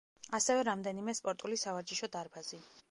ასევე რამდენიმე სპორტული სავარჯიშო დარბაზი.